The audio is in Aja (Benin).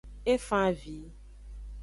E fan avi.